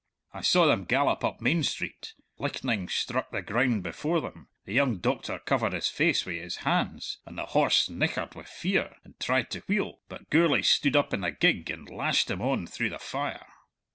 I saw them gallop up Main Street; lichtnin struck the ground before them; the young doctor covered his face wi' his hands, and the horse nichered wi' fear and tried to wheel, but Gourlay stood up in the gig and lashed him on through the fire.